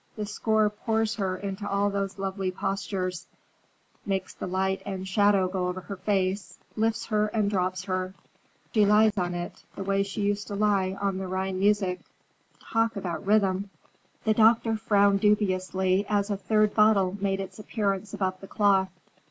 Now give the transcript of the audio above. The score pours her into all those lovely postures, makes the light and shadow go over her face, lifts her and drops her. She lies on it, the way she used to lie on the Rhine music. Talk about rhythm!" The doctor frowned dubiously as a third bottle made its appearance above the cloth.